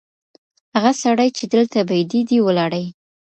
هغه سړی چي دلته بېدېدی ولاړی.